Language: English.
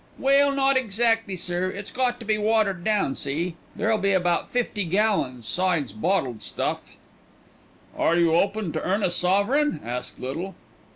"Well, not exactly, sir. It's got to be watered down, see? Ther'll be about fifty gallons, 'sides bottled stuff." "Are you open to earn a sovereign?" asked Little.